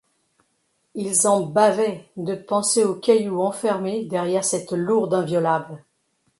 Ils en bavaient, de penser aux cailloux enfermés derrière cette lourde inviolable.